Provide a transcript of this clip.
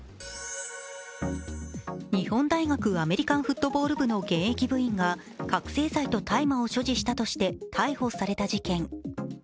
日本大学アメリカンフットボール部の現役部員が覚醒剤と大麻を所持したとして逮捕された事件。